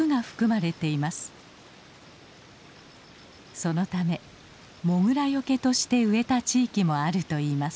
そのためモグラよけとして植えた地域もあるといいます。